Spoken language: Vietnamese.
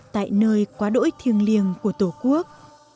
tại nơi quá đỗi thiêng liềng của tổ quốc